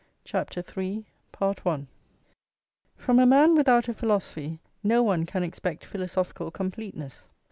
CHAPTER III From a man without a philosophy no one can expect philosophical completeness.